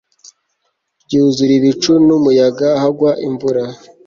ryuzura ibicu n umuyaga hagwa imvura